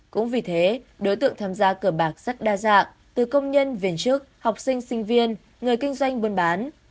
cũng vì thế đối tượng tham gia cờ bạc rất đa dạng từ công nhân viên chức học sinh sinh viên người kinh doanh buôn bán